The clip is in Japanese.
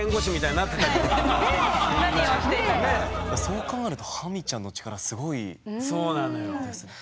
そう考えるとハミちゃんの力すごいですよね。